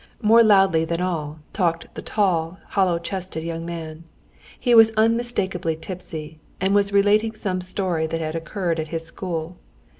More loudly than all talked the tall, hollow chested young man. He was unmistakably tipsy, and was relating some story that had occurred at his school.